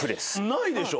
ないでしょ？